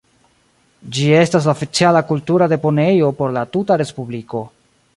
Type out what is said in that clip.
Ĝi estas la oficiala kultura deponejo por la tuta respubliko.